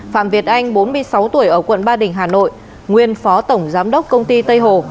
phạm việt anh bốn mươi sáu tuổi ở quận ba đình hà nội nguyên phó tổng giám đốc công ty tây hồ